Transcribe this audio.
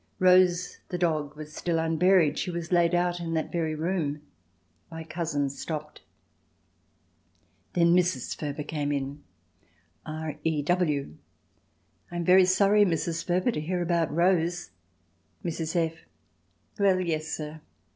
Rose, the dog, was still unburied; she was laid out in that very room. My cousin stopped. Then Mrs. Furber came in. R. E. W. "I am very sorry, Mrs. Furber, to hear about Rose." Mrs. F. "Well, yes sir.